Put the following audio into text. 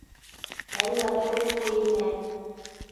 Ӓль лачок пуэнӓ